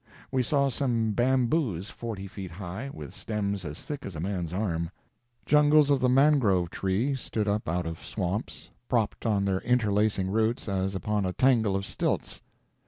We saw some bamboos forty feet high, with stems as thick as a man's arm. Jungles of the mangrove tree stood up out of swamps; propped on their interlacing roots as upon a tangle of stilts.